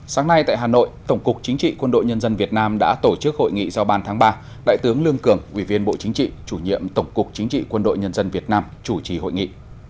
sáng nay tại hà nội tổng cục chính trị quân đội nhân dân việt nam đã tổ chức hội nghị giao bàn tháng ba đại tướng lương cường ủy viên bộ chính trị chủ nhiệm tổng cục chính trị quân đội nhân dân việt nam chủ trì hội nghị